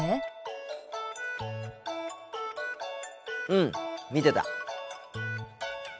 うん見てた。